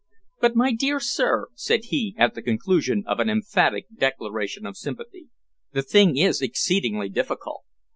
"But, my dear sir," said he, at the conclusion of an emphatic declaration of sympathy, "the thing is exceedingly difficult.